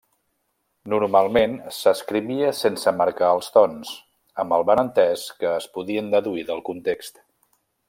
Normalment s'escrivia sense marcar els tons amb el benentès que es podien deduir del context.